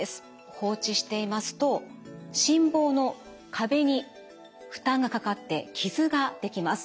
放置していますと心房の壁に負担がかかって傷ができます。